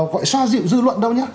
gọi xoa dịu dư luận đâu nhé